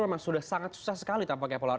memang sudah sangat susah sekali tanpa